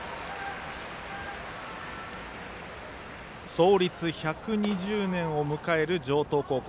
創立１２０年を迎える城東高校。